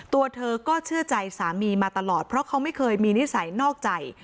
ตัวเธอก็เชื่อใจสามีมาตลอดเพราะเขาไม่เคยมีนิสัยนอกใจ